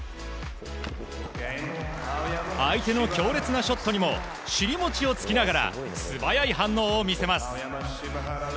相手の強烈なショットにも尻餅をつきながら素早い反応を見せます。